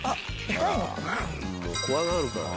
怖がるからね。